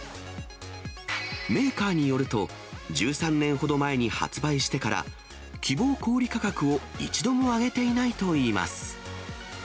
メーカーによると、１３年ほど前に発売してから、希望小売り価格を一度も上げていないといいます。